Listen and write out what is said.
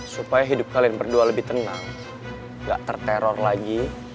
supaya hidup kalian berdua lebih tenang gak terteror lagi